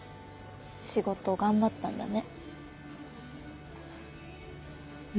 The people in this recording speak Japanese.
仕事頑張ったんだね。